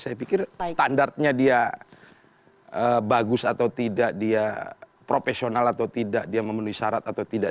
saya pikir standarnya dia bagus atau tidak dia profesional atau tidak dia memenuhi syarat atau tidak